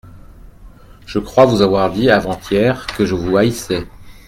Je crois vous avoir dit avant-hier que je vous haïssais.